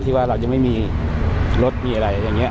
ว่าเรายังไม่มีรถมีอะไรอย่างนี้